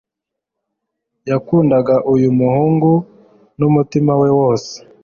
Yakundaga uyu muhungu n'umutima we wose